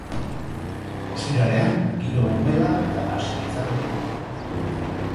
Ostiralean giro umela eta nahasia izango dugu.